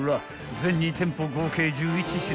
全２店舗合計１１品］